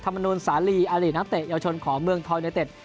ธรรมนุนสาลีอารินาเตะยาวชนของเมืองทรนิเตศ